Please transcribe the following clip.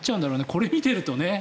これを見ているとね。